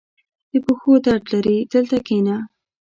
• د پښو درد لرې؟ دلته کښېنه.